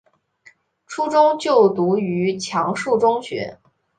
初中就读于强恕中学。